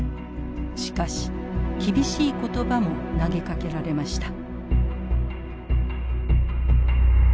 しかし厳しい言葉も投げかけられました。